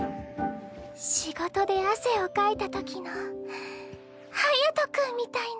仕事で汗をかいたときの隼君みたいな。